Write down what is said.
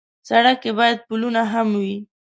سړک کې باید پلونه هم وي.